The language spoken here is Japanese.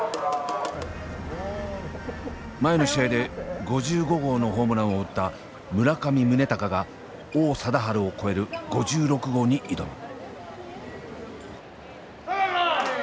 前の試合で５５号のホームランを打った村上宗隆が王貞治を超える５６号に挑む。